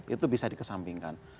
itu bisa dikesampingkan